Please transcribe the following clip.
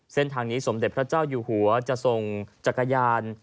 เส้นทางนี้สมเด็จพระเจ้าอยู่หัวจะส่งจักรยาน